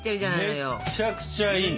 めっちゃくちゃいい。